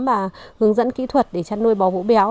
và hướng dẫn kỹ thuật để chăn nuôi bò vũ béo